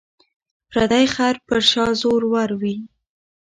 ـ پردى خر په شا زور ور وي.